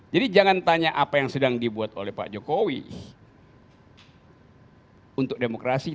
jadi jangan tanya apa yang sedang dibuat oleh pak jokowi untuk demokrasi